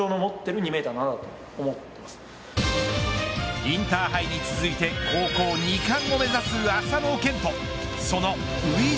インターハイに続いて高校２冠を目指す麻野堅斗